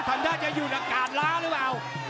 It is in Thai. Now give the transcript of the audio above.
ทำท่าจะหยุดอากาศล้าหรือเปล่า